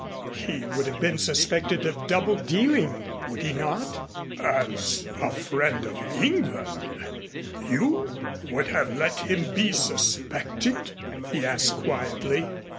"He would have been suspected of double dealing, would he not?" "As a friend of England you would have let him be suspected?" he asked quietly.